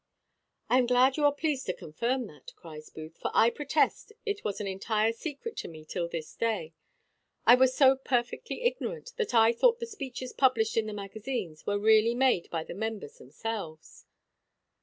"I am glad you are pleased to confirm that," cries Booth; "for I protest it was an entire secret to me till this day. I was so perfectly ignorant, that I thought the speeches published in the magazines were really made by the members themselves."